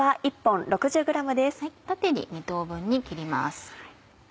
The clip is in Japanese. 縦に２等分に切ります。